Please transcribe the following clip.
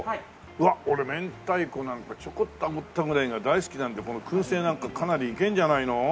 うわっ俺めんたいこなんかちょこっとあぶったぐらいが大好きなんでこの燻製なんかかなりいけるんじゃないの？